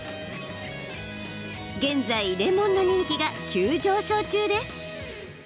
現在レモンの人気が急上昇中です。